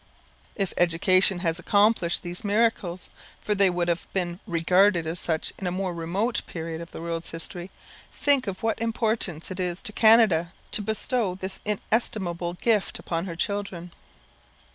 If education has accomplished these miracles for they would have been regarded as such in a more remote period of the world's history think of what importance it is to Canada to bestow this inestimable gift upon her children.